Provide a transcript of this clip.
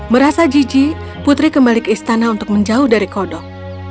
merasa jiji putri kembali ke istana untuk menjauh dari kodok